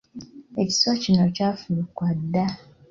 Ekiswa kino kyafuluka dda.